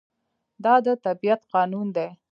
دا د طبیعت قانون دی.